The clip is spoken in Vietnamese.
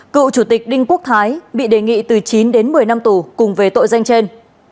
cựu chủ tịch đinh quốc thái bị đề nghị từ chín đến một mươi năm tù cùng về tội danh trên